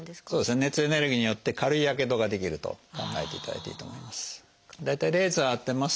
熱エネルギーによって軽いやけどが出来ると考えていただいていいと思います。